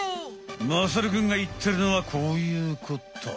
まさるくんがいっているのはこういうこと。